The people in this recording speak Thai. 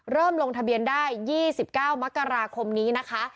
ลงทะเบียนได้๒๙มกราคมนี้นะคะ